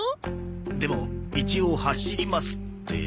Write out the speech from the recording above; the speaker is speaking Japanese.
でも「一応走ります」って。